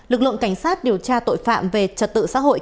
lực lượng cảnh sát điều tra tội phạm về trật tự xã hội